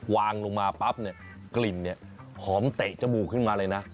วางลงมาปั๊บเนี่ยกลิ่นเนี่ยหอมเตะจมูกขึ้นมาเลยนะ